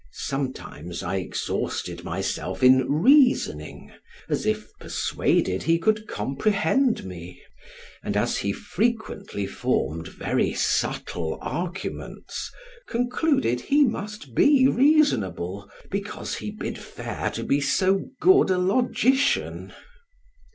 Sometimes I exhausted myself in reasoning, as if persuaded he could comprehend me; and as he frequently formed very subtle arguments, concluded he must be reasonable, because he bid fair to be so good a logician.